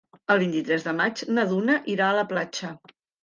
El vint-i-tres de maig na Duna irà a la platja.